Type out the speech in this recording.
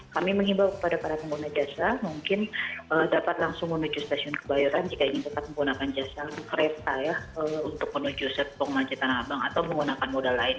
kami mengimbau kepada para pengguna jasa mungkin dapat langsung menuju stasiun kebayoran jika ingin tetap menggunakan jasa kereta ya untuk menuju serpong maji tanah abang atau menggunakan modal lain